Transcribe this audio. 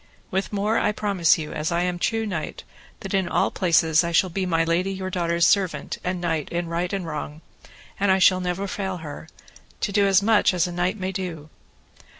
With more I promise you as I am true knight, that in all places I shall be my lady your daughter's servant and knight in right and in wrong, and I shall never fail her, to do as much as a knight may do.